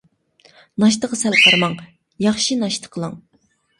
ناشتىغا سەل قارىماڭ، ياخشى ناشتا قىلىڭ.